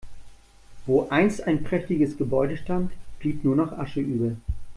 Wo einst ein prächtiges Gebäude stand, blieb nur noch Asche über.